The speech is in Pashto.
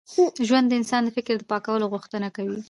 ژوند د انسان د فکر د پاکوالي غوښتنه کوي.